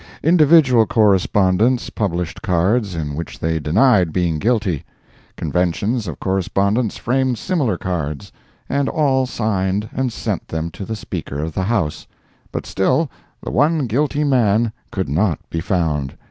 Individual correspondents published cards in which they denied being guilty; conventions of correspondents framed similar cards, and all signed and sent them to the Speaker of the House—but still the one guilty man could not be found.